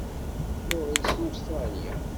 Laurie seg Ustṛalya.